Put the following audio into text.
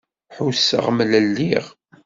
Ḥusseɣ mlelliɣ.